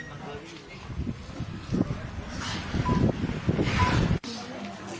ต้นผักประหลาดเป็น